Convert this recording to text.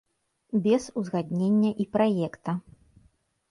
Без узгаднення і праекта.